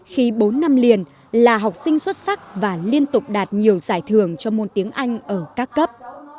khi bốn năm liền là học sinh xuất sắc và liên tục đạt nhiều giải thưởng cho môn tiếng anh ở các cấp